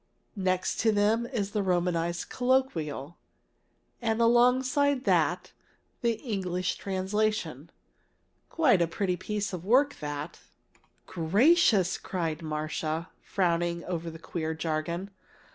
Next to them is the Romanized Colloquial, and alongside of that the English translation. Quite a pretty piece of work that!" "Gracious!" cried Marcia, frowning over the queer jargon.